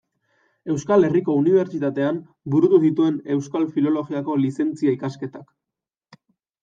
Euskal Herriko Unibertsitatean burutu zituen Euskal Filologiako lizentzia ikasketak.